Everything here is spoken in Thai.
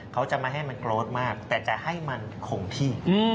เขาจะไม่ให้มันโกรธมากแต่จะให้มันคงที่